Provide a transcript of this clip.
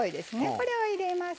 これを入れます。